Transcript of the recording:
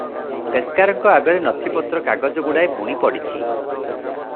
ପେସ୍କାରଙ୍କ ଆଗରେ ନଥିପତ୍ର କାଗଜଗୁଡ଼ାଏ ବୁଣି ପଡିଛି ।